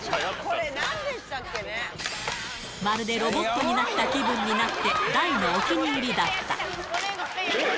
まるでロボットになった気分になって、大のお気に入りだった。